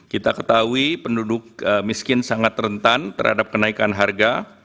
kita ketahui penduduk miskin sangat rentan terhadap kenaikan harga